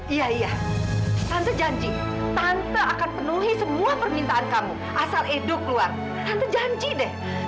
iya iya tante janji tanpa akan penuhi semua permintaan kamu asal edu keluar tante janji deh